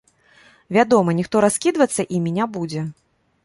Вядома, ніхто раскідвацца імі не будзе.